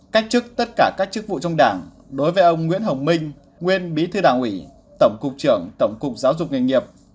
cách chức tất cả các chức vụ trong đảng đối với ông nguyễn hồng minh nguyên bí thư đảng ủy tổng cục trưởng tổng cục giáo dục nghề nghiệp